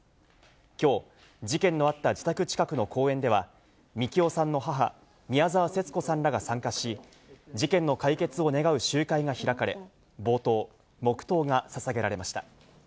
きょう、事件のあった自宅近くの公園では、みきおさんの母、宮沢節子さんらが参加し、事件の解決を願う集会が開かれ、冒頭、黙とうがささげられました。